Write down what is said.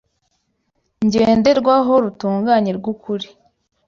ngenderwaho rutunganye rw’ukuri